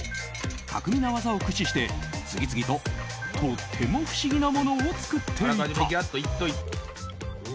巧みな技を駆使して次々ととっても不思議なものを作っていた。